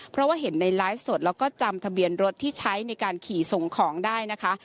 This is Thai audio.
เพราะว่าเห็นในไลฟ์สดแล้วก็จำทะเบียนรถที่ใช้ในการขี่ส่งของได้นะคะ